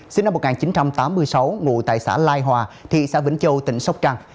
sinh năm một nghìn chín trăm tám mươi sáu ngụ tại xã lai hòa thị xã vĩnh châu tỉnh sóc trăng